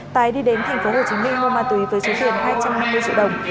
tài đi đến thành phố hồ chí minh mua ma túy với chế tiền hai trăm năm mươi triệu đồng